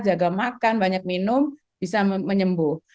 jaga makan banyak minum bisa menyembuh